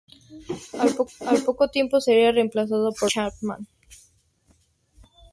Al poco tiempo sería reemplazado por Tony Chapman.